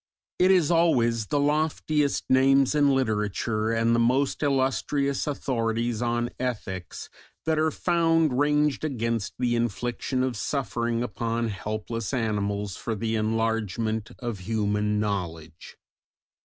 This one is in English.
It is always the loftiest names in literature and the most illustrious authorities on ethics that are found ranged against the infliction of suffering upon helpless animals for the enlargement of human knowledge.